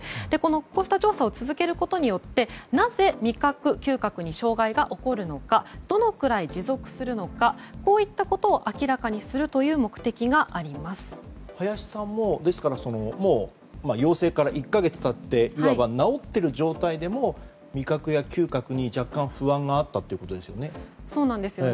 こうした調査を続けることでなぜ味覚、嗅覚に障害が起きるのかどのくらい持続するのかこういったことを明らかにするという林さんも陽性から１か月経っていわば治っている状態でも味覚や嗅覚に若干、不安があったということですよね。